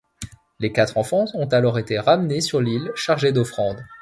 Les quatre enfants ont alors été ramenés sur l’île, chargés d’offrandes.